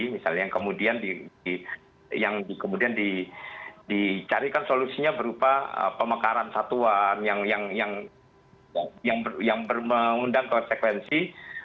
misalnya yang kemudian dicarikan solusinya berupa pemekaran satuan yang mengundang konsekuensi